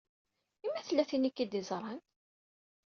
I ma tella tin i k-id-iẓṛan?